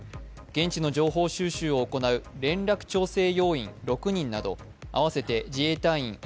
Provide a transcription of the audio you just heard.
現地の情報収集を行う連絡調整要員６人など合わせて自衛隊員